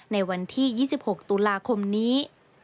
ในวันที่๒๖ตุลาคมนี้